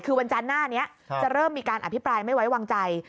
คือวันจันทร์หน้านี้จะเริ่มมีการอภิปรายไม่ไว้วางใจ